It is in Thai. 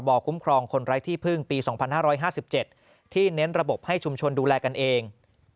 คุ้มครองคนไร้ที่พึ่งปี๒๕๕๗ที่เน้นระบบให้ชุมชนดูแลกันเอง